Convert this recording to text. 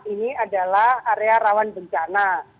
ini adalah area rawan bencana